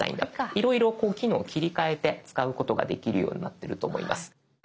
いろいろこう機能を切り替えて使うことができるようになってると思います。